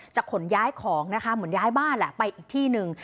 ขนย้ายของนะคะเหมือนย้ายบ้านแหละไปอีกที่หนึ่ง